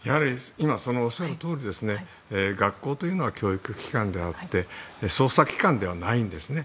おっしゃるとおり学校というのは教育機関であって捜査機関ではないんですね。